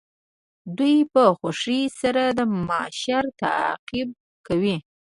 دوی په خوښۍ سره د مشر تعقیب کوي.